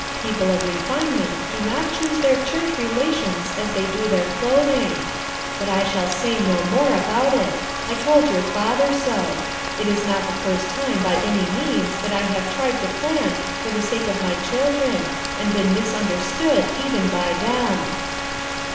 People of refinement do not choose their church relations as they do their clothing . But I shall say no more ahout it; I told your father so. It is not the first time by any means that I have tried to plan for the sake of my children and been mis understood even by them."